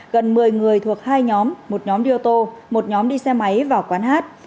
gần một mươi người thuộc hai nhóm một nhóm đi ô tô một nhóm đi xe máy vào quán hát